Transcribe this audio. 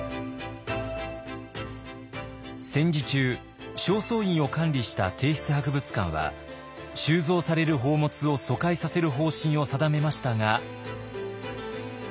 戦時中正倉院を管理した帝室博物館は収蔵される宝物を疎開させる方針を定めましたが。